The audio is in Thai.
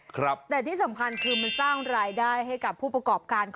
แต่ที่สำคัญคือมันสร้างรายได้ให้กับผู้ประกอบการ